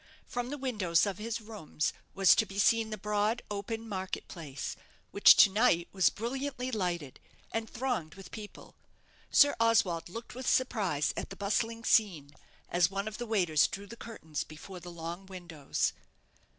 From the windows of his rooms was to be seen the broad, open market place, which to night was brilliantly lighted, and thronged with people. Sir Oswald looked with surprise at the bustling scene, as one of the waiters drew the curtains before the long windows.